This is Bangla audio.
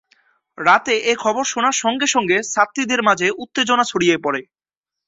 রাতে এ খবর শোনার সঙ্গে সঙ্গে ছাত্রীদের মাঝে উত্তেজনা ছড়িয়ে পড়ে।